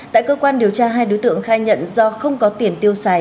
tại cơ quan điều tra hai đối tượng khai nhận do không có tiền tiêu xài